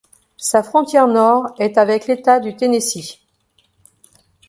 Sa frontière nord est avec l'État du Tennessee.